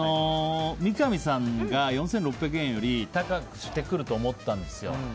三上さんが４６００円より高くしてくると思ったんですよ。